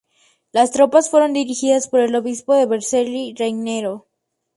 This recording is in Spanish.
Las tropas fueron dirigidas por el obispo de Vercelli, Raniero.